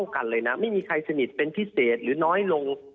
ใครสนิทเป็นพิเศษหรือน้อยลง